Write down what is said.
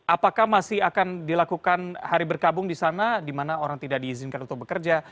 apakah masih akan dilakukan hari berkabung di sana di mana orang tidak diizinkan untuk bekerja